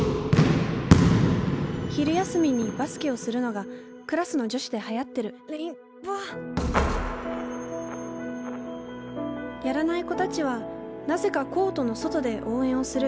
昼休みにバスケをするのがクラスの女子ではやってるやらない子たちはなぜかコートの外で応援をする。